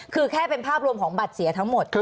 คือแค่เป็นภาพรวมของบัตรเสียทั้งหมด